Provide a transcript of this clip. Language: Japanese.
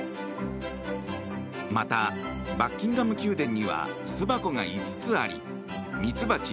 また、バッキンガム宮殿には巣箱が５つありミツバチ